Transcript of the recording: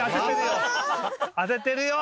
当ててるよ！